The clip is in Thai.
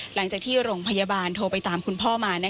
หลังจากที่โรงพยาบาลโทรไปตามคุณพ่อมา